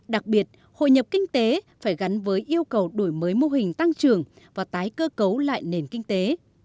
đặc biệt hội nhập kinh tế phải gắn với yêu cầu đổi mới mô hình tăng trưởng và tái cơ cấu lại nền kinh tế